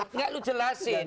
enggak lu jelasin